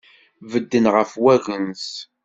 Bedden ɣef wagens.